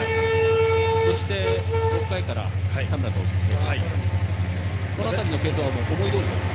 そして、６回から田村投手に継投しましたけれどもこの辺りの継投は思いどおりですか？